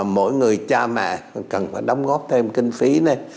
mỗi người cha mẹ cần phải đóng góp thêm kinh phí này